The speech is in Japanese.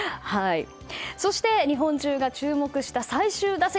そして日本中が注目した最終打席。